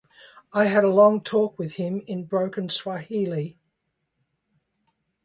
I had a long talk with him in broken Swahili.